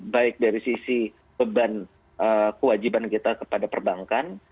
baik dari sisi beban kewajiban kita kepada perbankan